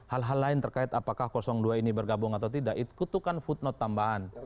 hal hal lain terkait apakah dua ini bergabung atau tidak itu kutukan footnote tambahan